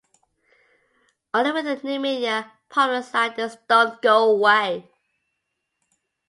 Only with the new media, problems like this don't go away.